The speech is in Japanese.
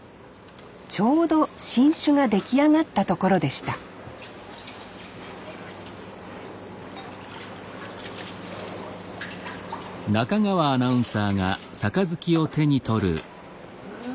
ちょうど新酒が出来上がったところでしたうわ。